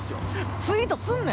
ツイートすんなよ